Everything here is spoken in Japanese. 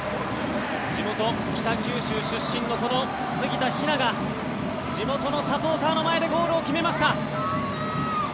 地元・北九州出身の杉田妃和が地元のサポーターの前でゴールを決めました。